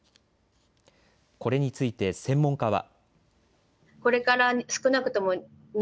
これについて専門家は。